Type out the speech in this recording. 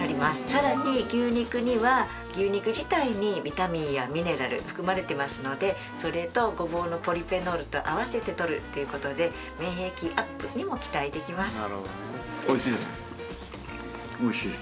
さらに牛肉には牛肉自体にビタミンやミネラル含まれてますのでそれとごぼうのポリフェノールと合わせてとるっていう事で免疫アップにも期待できます。